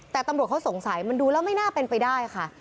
แต่ตำรวจเขาสงสัยมันดูแล้วไม่น่าเป็นไปได้ค่ะ